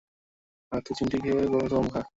হাতে চিমটি খেয়ে কসম খা!